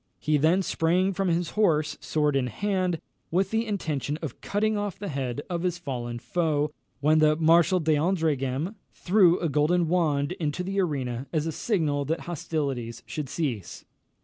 He then sprang from his horse, sword in hand, with the intention of cutting off the head of his fallen foe, when the Marshal d'Andreghem threw a golden wand into the arena as a signal that hostilities should cease.